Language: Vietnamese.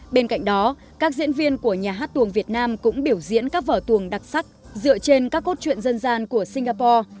bên cạnh đó các diễn viên của nhà hát tuồng việt nam cũng biểu diễn các vở tuồng đặc sắc dựa trên các cốt truyện dân gian của singapore